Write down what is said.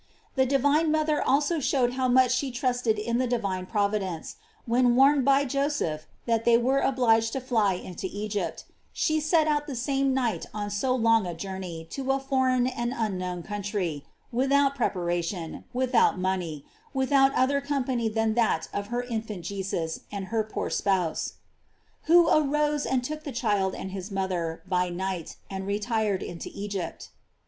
The divine mother also showed how much she trusted in the divine providence, when warned by Joseph that they were obliged to fly into Egypt, she set out the same night on so long a journey to a foreign and unknown country, without preparation, with out money, without other company than that of her infant Jesus and her poor spouse: "Who arose and took the child and his mother by night, and retired into Egypt."